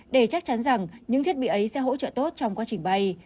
để chắc chắn rằng những thiết bị ấy sẽ hỗ trợ tốt trong quá trình bay